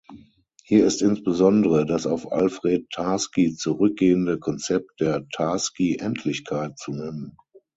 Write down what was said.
Hier ist insbesondere das auf Alfred Tarski zurückgehende Konzept der Tarski-Endlichkeit zu nennen.